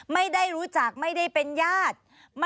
ไม่ได้รู้จักไม่ได้เป็นญาติ